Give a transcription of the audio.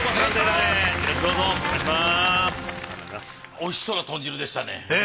おいしそうな豚汁でしたね。ねぇ。